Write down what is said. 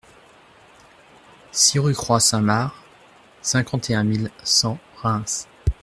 six rue Croix Saint-Marc, cinquante et un mille cent Reims